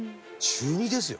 中２ですよ？